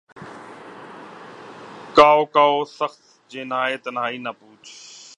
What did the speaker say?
کاؤ کاوِ سخت جانیہائے تنہائی، نہ پوچھ